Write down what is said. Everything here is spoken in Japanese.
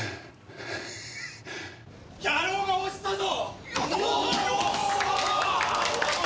野郎が落ちたぞ！